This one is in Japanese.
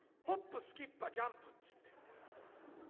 ホップすきっ歯ジャンプっつって。